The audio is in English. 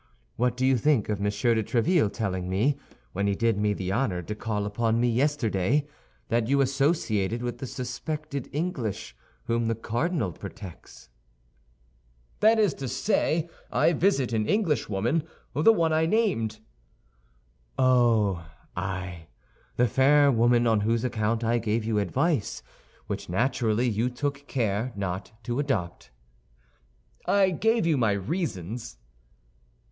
What do you think of Monsieur de Tréville telling me, when he did me the honor to call upon me yesterday, that you associated with the suspected English, whom the cardinal protects?" "That is to say, I visit an Englishwoman—the one I named." "Oh, ay! the fair woman on whose account I gave you advice, which naturally you took care not to adopt." "I gave you my reasons."